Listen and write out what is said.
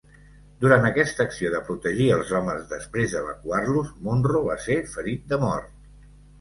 Durant aquesta acció de protegir els homes després d'evacuar-los, Munro va ser ferit de mort.